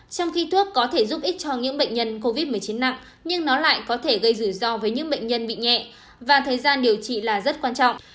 trong khi thuốc có thể giúp ích cho những bệnh nhân covid một mươi chín nặng nhưng nó lại có thể gây rủi ro với những bệnh nhân bị nhẹ và thời gian điều trị là rất quan trọng